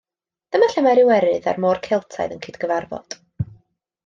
Dyma lle mae'r Iwerydd a'r Môr Celtaidd yn cydgyfarfod.